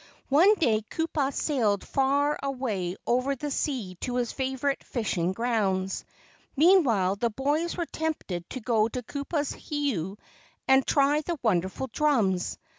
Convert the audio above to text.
One day Kupa sailed far away over the sea to his favorite fishing grounds. Meanwhile the boys were tempted to go to Kupa's heiau and try the wonderful drums.